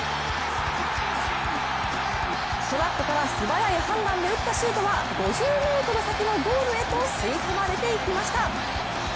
トラップから素早い判断で打ったシュートは５０ｍ先のゴールへと吸い込まれていきました。